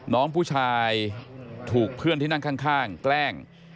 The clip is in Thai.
น้องผู้ชายถูกเพื่อนที่นั่งข้างแกล้ง